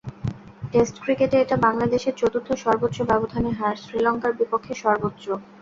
Test ক্রিকেটে এটা বাংলাদেশের চতুর্থ সর্বোচ্চ ব্যবধানে হার, শ্রীলঙ্কার বিপক্ষে সর্বোচ্চ।